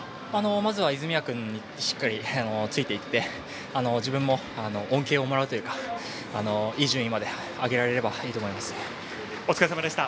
まずは泉谷君にしっかりついていって自分も恩恵をもらうというかいい順位まで上げられればお疲れさまでした。